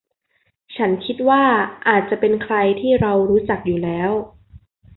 ฉันคิดว่าอาจจะเป็นใครที่เรารู้จักอยู่แล้ว